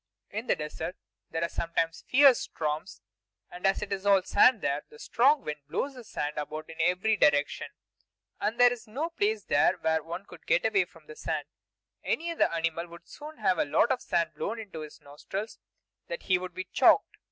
In the desert there are sometimes fierce storms; and as it is all sand there, the strong wind blows the sand about in every direction. As there is no place there where one could get away from the sand, any other animal would soon have a lot of sand blown into his nostrils; then he would be choked.